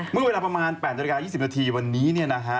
เมื่อเวลาประมาณ๘๒๐นวันนี้นะฮะ